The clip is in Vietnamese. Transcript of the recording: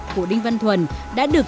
của đinh văn thuần đã được